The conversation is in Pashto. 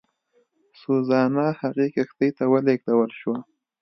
سوزانا هغې کښتۍ ته ولېږدول شوه.